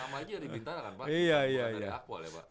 lama aja dari bintara kan pak